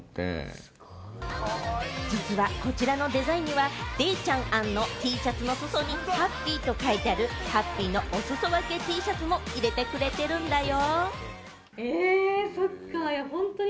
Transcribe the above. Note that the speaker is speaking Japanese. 実はこちらのデザインには、デイちゃん案のＴシャツの裾に「ＨＡＰＰＹ」と書いてある、ハッピーのおすそ分けＴシャツも入れてくれてるんだよ。